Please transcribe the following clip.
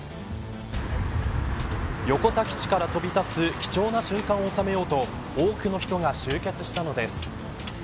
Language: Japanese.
横田基地から飛び立つ貴重な瞬間を収めようと多くの人が集結したのです。